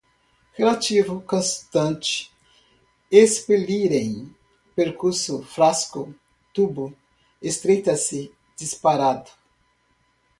relativo, constante, expelirem, percurso, frasco, tubo, estreita-se, disparado